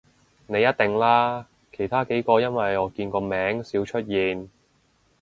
你一定啦，其他幾個因爲我見個名少出現